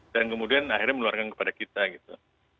dan kemudian akhirnya meluarkan kepada kita gitu